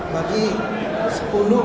bagi sepuluh perwira yang